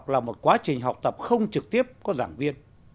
tự học là một quá trình học tập không trực tiếp có giảng viên